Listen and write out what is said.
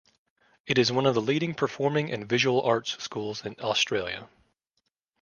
It is one of the leading performing and visual arts schools in Australia.